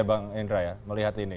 bang indra ya melihat ini